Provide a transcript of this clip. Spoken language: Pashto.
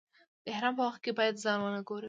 د احرام په وخت کې باید ځان و نه ګروئ.